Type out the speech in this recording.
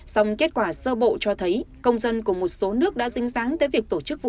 song kết quả sơ bộ cho thấy công dân của một số nước đã dính dáng tới việc tổ chức vụ